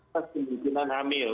saat kemungkinan hamil